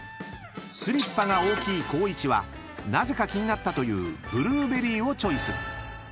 ［スリッパが大きい光一はなぜか気になったというブルーベリーをチョイス］